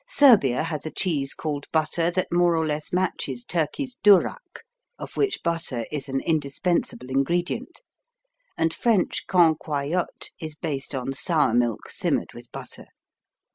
Serbia has a cheese called Butter that more or less matches Turkey's Durak, of which butter is an indispensable ingredient, and French Cancoillote is based on sour milk simmered with butter.